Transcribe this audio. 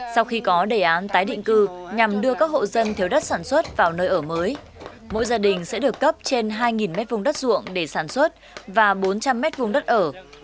sau khi có đề án tái định cư nhằm đưa các hộ dân thiếu đất sản xuất vào nơi ở mới mỗi gia đình sẽ được cấp trên hai m hai đất ruộng để sản xuất và bốn trăm linh m vùng đất ở